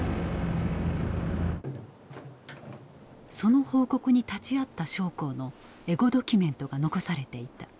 その報告に立ち会った将校のエゴドキュメントが残されていた。